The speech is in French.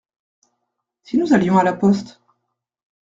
Si nous allions à la poste ?